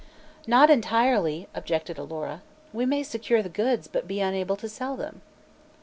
"Not entirely," objected Alora. "We may secure the goods, but be unable to sell them."